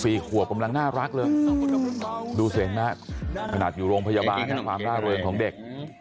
สี่ขัวกำลังน่ารักเลยดูเสร็จนะถนัดอยู่โรงพยาบาลน่าร่าเร็งความเด็ก